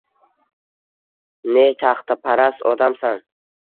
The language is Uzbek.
Ne taxtaparast odamsan.